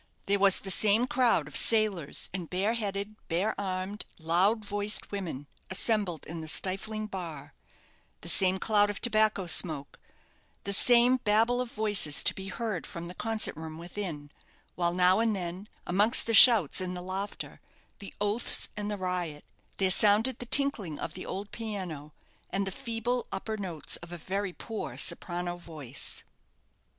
There was the same crowd of sailors and bare headed, bare armed, loud voiced women assembled in the stifling bar, the same cloud of tobacco smoke, the same Babel of voices to be heard from the concert room within; while now and then, amongst the shouts and the laughter, the oaths and the riot, there sounded the tinkling of the old piano, and the feeble upper notes of a very poor soprano voice.